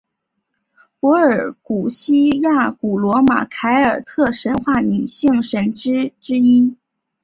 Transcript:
柏尔古希亚古罗马凯尔特神话女性神只之一。